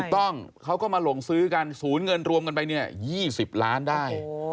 ถูกต้องเขาก็มาหลงซื้อกันสูญเงินรวมกันไปเนี่ย๒๐ล้านได้